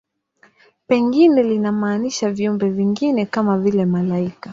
Pengine linamaanisha viumbe vingine, kama vile malaika.